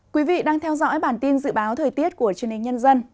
quý vị đang theo dõi bản tin dự báo thời tiết của truyền hình nhân dân